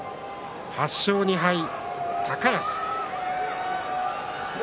８勝２敗、高安。